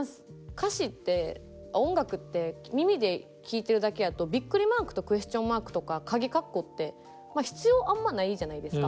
歌詞って音楽って耳で聴いてるだけやとビックリマークとクエスチョンマークとかかぎ括弧って必要あんまないじゃないですか